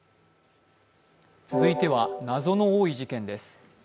続いては謎の多い事件です。